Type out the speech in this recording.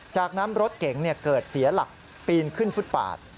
จากนั้นรถเก๋งเกิดเสียหลักปีนขึ้นฟุตปาด